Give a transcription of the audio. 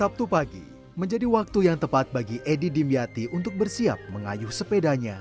sabtu pagi menjadi waktu yang tepat bagi edi dimyati untuk bersiap mengayuh sepedanya